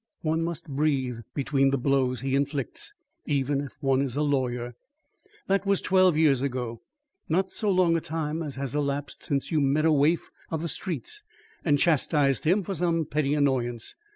One must breathe between the blows he inflicts, even if one is a lawyer. "That was twelve years ago. Not so long a time as has elapsed since you met a waif of the streets and chastised him for some petty annoyance.